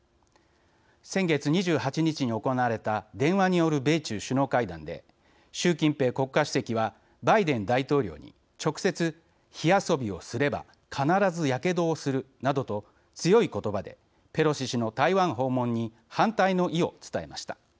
先月２８日に行われた電話による米中首脳会談で習近平国家主席はバイデン大統領に直接「火遊びをすれば必ずやけどをする」などと強い言葉でペロシ氏の台湾訪問に反対の意を伝えました。